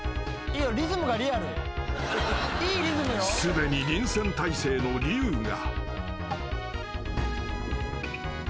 ［すでに臨戦態勢のリュウが］